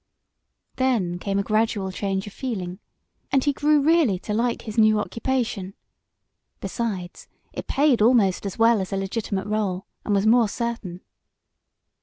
Then came a gradual change of feeling, and he grew really to like his new occupation. Besides, it paid almost as well as a legitimate rôle, and was more certain.